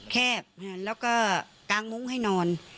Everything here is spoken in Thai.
แคบแล้วก็กางมุ้งให้นอน